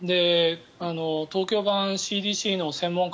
東京版ＣＤＣの専門家